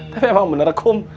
tapi emang benar kum